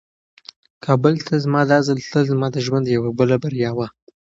کابل ته زما دا ځل تلل زما د ژوند یوه بله بریا وه.